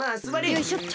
よいしょっと。